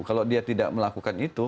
kalau dia tidak melakukan itu